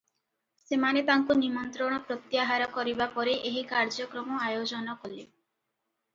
ସେମାନେ ତାଙ୍କୁ ନିମନ୍ତ୍ରଣ ପ୍ରତ୍ୟାହାର କରିବା ପରେ ଏହି କାର୍ଯ୍ୟକ୍ରମ ଆୟୋଜନ କଲେ ।